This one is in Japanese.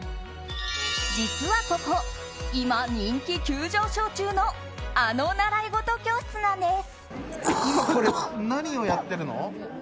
実はここ今、人気急上昇中のあの習い事教室なんです。